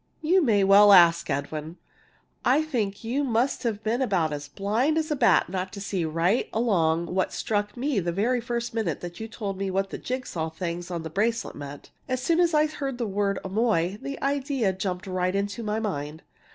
"You may well ask, Edwin! I think you must have been about as blind as a bat not to see right along what struck me the very first minute after you told me what the jig saw things on that bracelet meant! As soon as I heard the word 'Amoy' the idea jumped right into my mind.